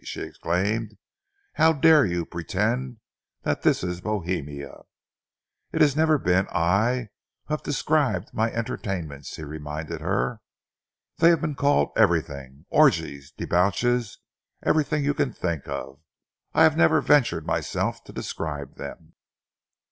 she exclaimed. "How dare you pretend that this is Bohemia!" "It has never been I who have described my entertainments," he reminded her. "They have been called everything orgies, debauches everything you can think of. I have never ventured myself to describe them."